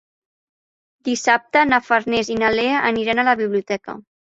Dissabte na Farners i na Lea aniran a la biblioteca.